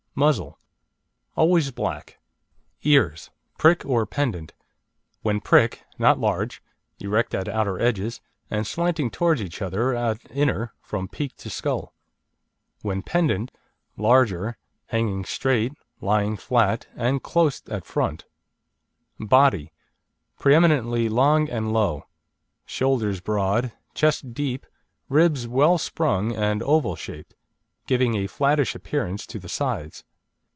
Muzzle: always black. EARS (PRICK OR PENDANT) When prick, not large, erect at outer edges, and slanting towards each other at inner, from peak to skull. When pendant, larger, hanging straight, lying flat, and close at front. BODY Pre eminently long and low. Shoulders broad, chest deep, ribs well sprung and oval shaped, giving a flattish appearance to the sides.